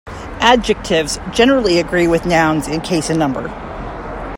Adjectives generally agree with nouns in case and number.